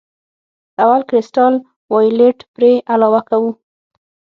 اول کرسټل وایولېټ پرې علاوه کوو.